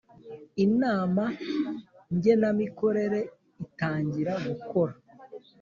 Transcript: Inama Ngenamikorere itangira gukora